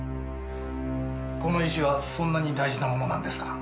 この石はそんなに大事なものなんですか？